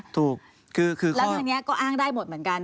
ถูกคือแล้วทางนี้ก็อ้างได้หมดเหมือนกัน